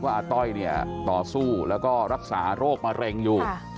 ว่าอาต้อยต่อสู้แล้วก็รักษาโรคมะเร็งอยู่